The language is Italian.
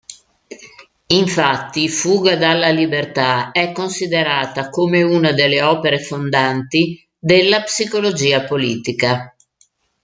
Infatti, "Fuga dalla libertà" è considerata come una delle opere fondanti della psicologia politica.